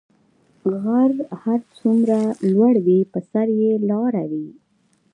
غر څه هر څومره لوړ وی په سر ئي لاره وی